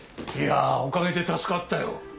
いやおかげで助かったよ。